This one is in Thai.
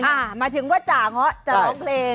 อะหมายถึงจ่ะเงาะท่าเล่าเพลง